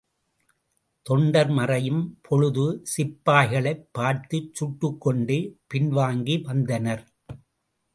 தொண்டர் மறையும் பொழுதும் சிப்பாய்களைப் பார்த்துச் சுட்டுக் கொண்டே பின்வாங்கி வந்தனர்.